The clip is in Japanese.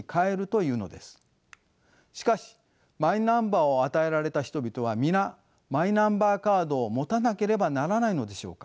しかしマイナンバーを与えられた人々は皆マイナンバーカードを持たなければならないのでしょうか。